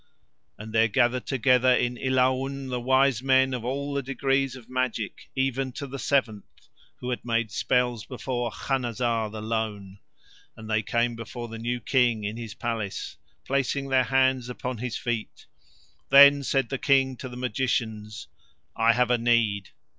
And there gathered together to Ilaun the wise men of all the degrees of magic, even to the seventh, who had made spells before Khanazar the Lone; and they came before the new King in his palace placing their hands upon his feet. Then said the King to the magicians: "I have a need."